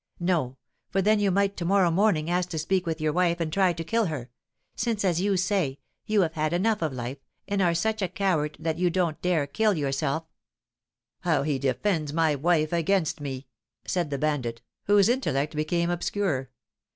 "No; for then you might to morrow morning ask to speak with your wife and try to kill her, since, as you say, you have had enough of life, and are such a coward that you don't dare kill yourself." "How he defends my wife against me!" said the bandit, whose intellect became obscure.